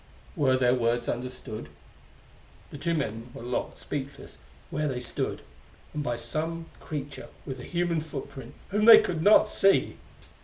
Were their words understood? The two men were locked, speechless, where they stood. And by some creature with a human footprint whom they could not see!